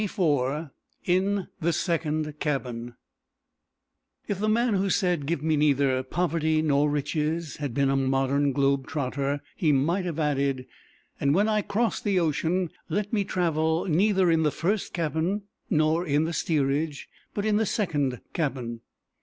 ] XXIV IN THE SECOND CABIN If the man who said, "Give me neither poverty nor riches" had been a modern globe trotter he might have added: "And when I cross the ocean let me travel neither in the first cabin nor in the steerage but in the second cabin."